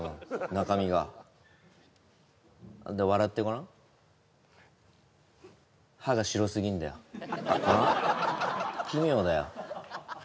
中身がで笑ってごらん歯が白すぎんだよ奇妙だよ